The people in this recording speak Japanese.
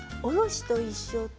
おろしと一緒。